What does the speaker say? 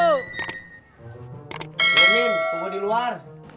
mimin kamu di luar